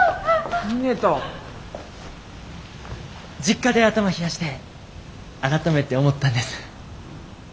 実家で頭冷やして改めて思ったんです。